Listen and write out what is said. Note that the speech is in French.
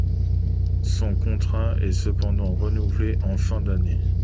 Son contrat est cependant renouvelé en fin d'année.